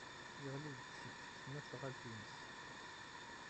Yeɣli-d seg tesnasɣalt-nnes.